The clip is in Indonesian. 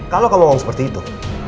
kalau kamu ngomong seperti itu